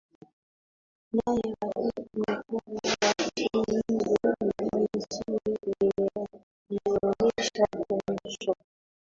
naye rafiki mkubwa wa nchi hizo mbili china imeonesha kuguswa na machafuko hayo